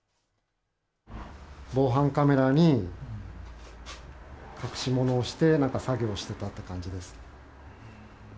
防犯カメラに隠しものをして、なんか作業をしてたって感じです。